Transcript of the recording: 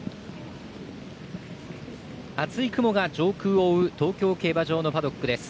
厚い雲が上空を覆う東京競馬場のパドックです。